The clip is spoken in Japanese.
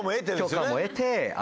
許可も得て。